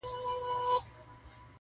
زړه قلا-